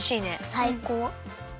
さいこう。